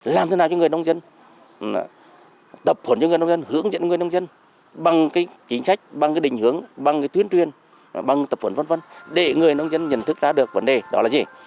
làm thế nào cho người nông dân tập hồn cho người nông dân hướng dẫn người nông dân bằng chính sách bằng định hướng bằng tuyến truyền bằng tập hồn v v để người nông dân nhận thức ra được vấn đề đó là gì